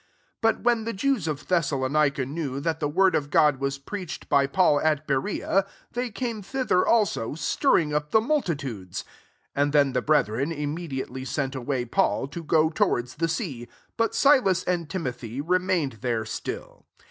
13 But when the Jews of Thessalonica knew that the word of God was preached by Paul at Berea, they came thither also, stirring up the mul titudes. 14 And then the bre thren immediately sent away Paul, to go towards the sea: but Silas and Timothy remained there still.